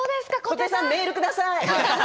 小手さん、メールください。